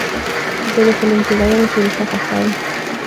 زه د فلم جوړونې پروسه خوښوم.